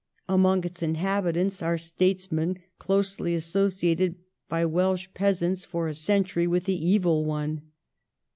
Among its inhabitants are statesmen closely associated by Welsh peasants, for a century, with the evil one.